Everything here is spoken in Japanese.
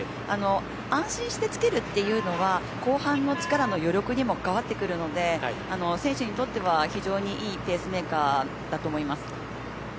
安心してつけるっていうのは後半の力の余力にも関わってくるので選手にとっては非常にいいペースメーカーだと思います。